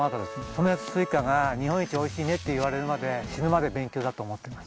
富里スイカが日本一おいしいねって言われるまで死ぬまで勉強だと思ってます。